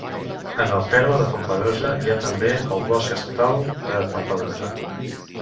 En el terme de Fontpedrosa hi ha també el Bosc Estatal de Fontpedrosa.